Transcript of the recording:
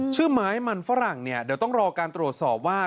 ชื่อมา้มันฝรั่งเดี๋ยวต้องรอการตรวจสอบว่า